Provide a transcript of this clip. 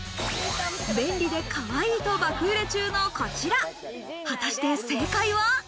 便利でかわいいと爆売れ中のこちら、果たして正解は？